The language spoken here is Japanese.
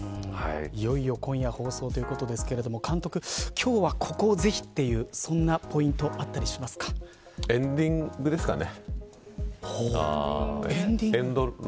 いよいよ今夜、放送ということですが監督、今日はここをぜひというそんなポイントはエンディングですかね。